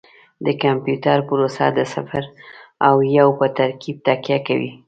د کمپیوټر پروسه د صفر او یو په ترکیب تکیه کوي.